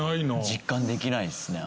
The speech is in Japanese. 実感できないですね